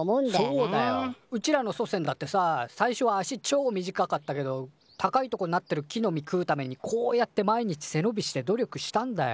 そうだようちらの祖先だってさ最初は足ちょ短かったけど高いとこなってる木の実食うためにこうやって毎日背のびして努力したんだよ。